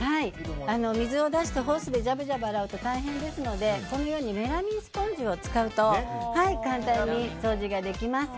水を出してホースでじゃぶじゃぶ洗うと大変ですのでメラミンスポンジを使うと簡単に掃除ができます。